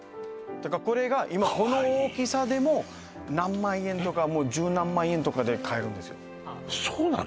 だからこれがかわいいこの大きさでも何万円とか十何万円とかで買えるんですよそうなの？